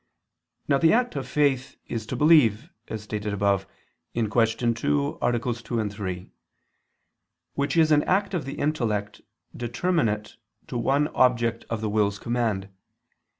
Now the act of faith is to believe, as stated above (Q. 2, AA. 2, 3), which is an act of the intellect determinate to one object of the will's command.